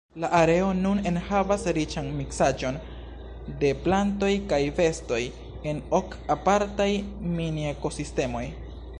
La areo nun enhavas riĉan miksaĵon de plantoj kaj bestoj en ok apartaj mini-ekosistemoj.